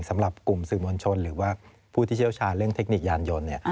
สำหรับกลุ่มสื่อมวลชนหรือว่าผู้ที่เชี่ยวชาญเรื่องเทคนิคยานยนต์